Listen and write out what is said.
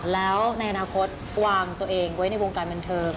แล้วในอนาคตวางตัวเองไว้ในวงการบันเทิง